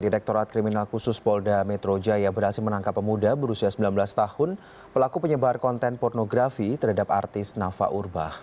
direktorat kriminal khusus polda metro jaya berhasil menangkap pemuda berusia sembilan belas tahun pelaku penyebar konten pornografi terhadap artis nafa urbah